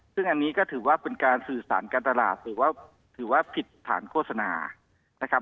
ซึ่งอันนี้ก็ถือว่าเป็นการสื่อสารการตลาดหรือว่าถือว่าผิดฐานโฆษณานะครับ